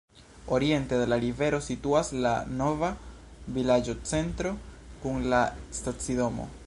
Oriente de la rivero situas la nova vilaĝocentro kun la stacidomo.